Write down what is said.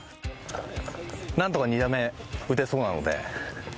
なんとか２打目打てそうなので。